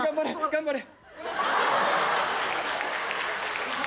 頑張れ。